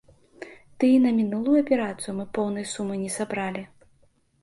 Ды і на мінулую аперацыю мы поўнай сумы не сабралі.